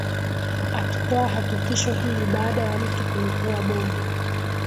akitoa hakikisho hili baada ya mtu kulipua bomu